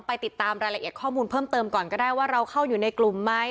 ไปติดตามรายละเอียดข้อมูลเพิ่มเติมก่อนก็ได้ว่าเราเข้าอยู่ในกลุ่มไหม